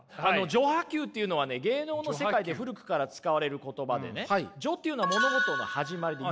「序破急」っていうのはね芸能の世界で古くから使われる言葉でね「序」っていうのは物事の始まりで。